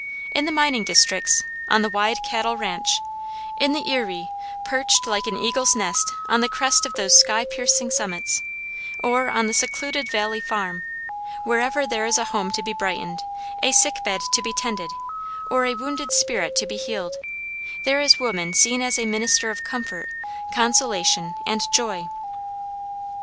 In the mining districts, on the wild cattle ranche, in the eyrie, perched, like an eagle's nest, on the crest of those sky piercing summits, or on the secluded valley farm, wherever there is a home to be brightened, a sick bed to be tended, or a wounded spirit to be healed, there is woman seen as a minister of comfort, consolation, and joy.